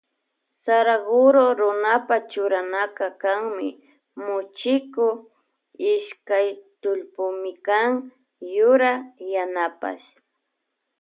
Saraguro runapa churanaka kanmi muchiku ishkay tullpimikan yurak yanapash.